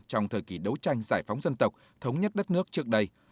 trong thời kỳ đấu tranh giải phóng dân tộc thống nhất đất nước trước đây